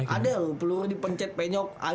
ada loh peluru dipencet penyok